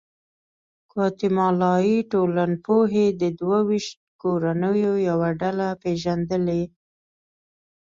ګواتیمالایي ټولنپوهې د دوه ویشت کورنیو یوه ډله پېژندلې.